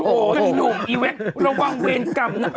ไอ้หนุ่มอีเวคระวังเวรกรรมนะ